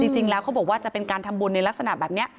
จริงแล้วเขาบอกว่าจะเป็นการทำบุญในลักษณะแบบนี้